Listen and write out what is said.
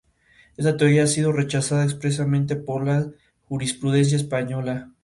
Esta teoría ha sido rechazada expresamente por la jurisprudencia española.